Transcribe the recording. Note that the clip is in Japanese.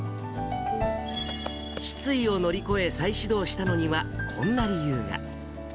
失意を乗り越え、再始動したのにはこんな理由が。